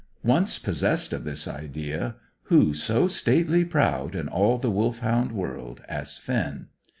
Once possessed of this idea, who so stately proud in all the Wolfhound world as Finn?